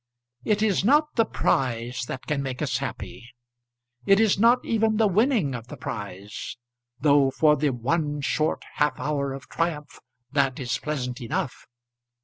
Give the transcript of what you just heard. It is not the prize that can make us happy; it is not even the winning of the prize, though for the one short half hour of triumph that is pleasant enough.